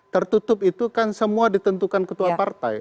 tertutup itu kan semua ditentukan ketua partai